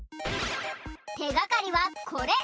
てがかりはこれ！